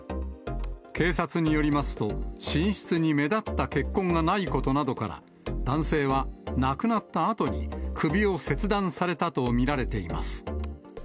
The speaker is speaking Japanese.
警察によりますと、寝室に目立った血痕がないことなどから、男性は亡くなったあとに首を切断されたと見られています。